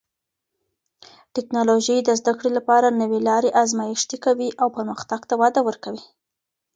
ټکنالوژي د زده کړې لپاره نوې لارې ازمېښتي کوي او پرمختګ ته وده ورکوي.